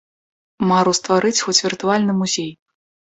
Мару стварыць хоць віртуальны музей.